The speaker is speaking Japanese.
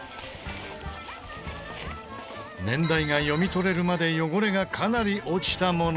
年代が読み取れるまで汚れがかなり落ちたものも。